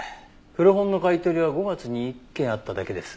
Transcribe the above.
古本の買い取りは５月に１件あっただけです。